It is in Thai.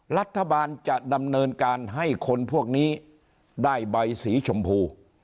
รัฐบาลจะดำเนินการให้คนพวกนี้ได้ใบสีชมพู